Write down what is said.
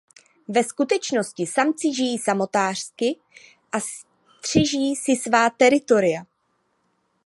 Ve skutečnosti samci žijí samotářsky a střeží si svá teritoria.